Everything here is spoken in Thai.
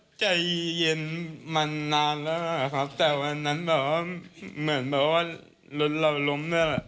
ปกติว่าใจเย็นมานานแล้วครับแต่วันนั้นเหมือนว่ารถเราล้มด้วยแหละ